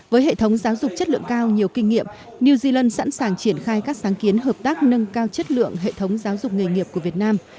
với hệ thống giáo dục chất lượng cao nhiều kinh nghiệm new zealand sẵn sàng triển khai các sáng kiến hợp tác nâng cao chất lượng hệ thống giáo dục nghề nghiệp của việt nam